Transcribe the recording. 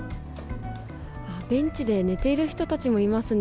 ベンチで寝ている人たちもいますね。